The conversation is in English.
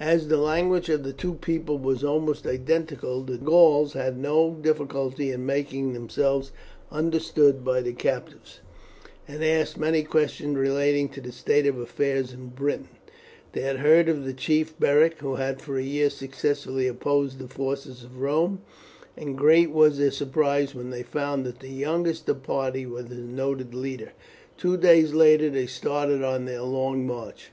As the language of the two peoples was almost identical, the Gauls had no difficulty in making themselves understood by the captives, and asked many questions relating to the state of affairs in Britain. They had heard of the chief, Beric, who had for a year successfully opposed the forces of Rome, and great was their surprise when they found that the youngest of the party was the noted leader. Two days later they started on their long march.